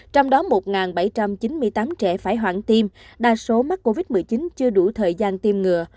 trong đó một bảy trăm chín mươi tám trẻ phải hoãn tiêm đa số mắc covid một mươi chín chưa đủ thời gian tiêm ngừa